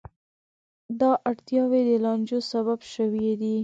دا اړتیاوې د لانجو سبب شوې دي.